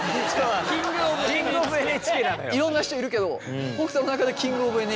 いろんな人いるけど北斗の中でキング・オブ・ＮＨＫ？